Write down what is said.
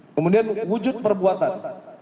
kemudian wujud perbuatan